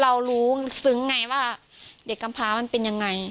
เรารู้ซึ้งไงว่าเด็กกำพามันเป็นยังไง